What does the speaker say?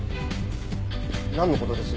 なんの事です？